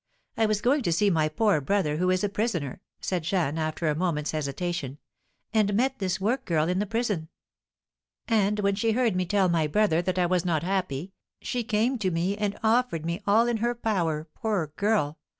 I was going to see my poor brother, who is a prisoner," said Jeanne, after a moment's hesitation, "and met this work girl in the prison; and when she heard me tell my brother that I was not happy, she came to me and offered me all in her power, poor girl!